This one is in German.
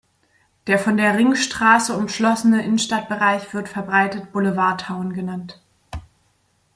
Der von der Ringstraße umschlossene Innenstadtbereich wird verbreitet "Boulevard Town" genannt.